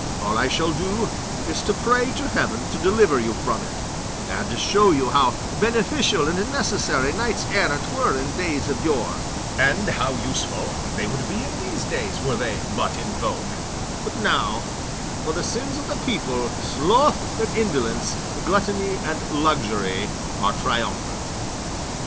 All I shall do is to pray to heaven to deliver you from it, and show you how beneficial and necessary knights errant were in days of yore, and how useful they would be in these days were they but in vogue; but now, for the sins of the people, sloth and indolence, gluttony and luxury are triumphant."